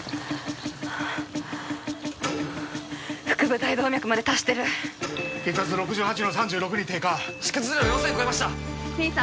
腹部大動脈まで達してる血圧６８の３６に低下出血量４０００超えましたミンさん